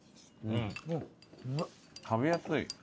食べやすい。